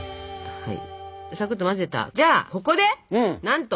はい。